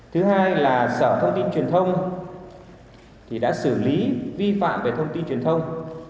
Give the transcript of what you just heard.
thứ hai là sở thông tin truyền thông đã xử lý vi phạm về thông tin truyền thông